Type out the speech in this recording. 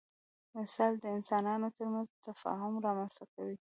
مشال د انسانانو تر منځ تفاهم رامنځ ته کوي.